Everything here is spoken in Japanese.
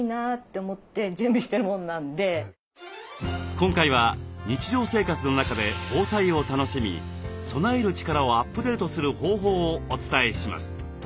今回は日常生活の中で防災を楽しみ備える力をアップデートする方法をお伝えします。